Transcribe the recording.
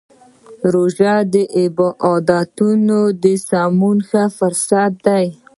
روژه د عادتونو سمولو ښه فرصت دی.